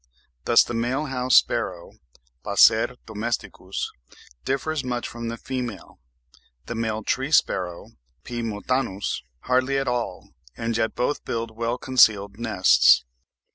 Thus the male house sparrow (Passer domesticus) differs much from the female, the male tree sparrow (P. montanus) hardly at all, and yet both build well concealed nests.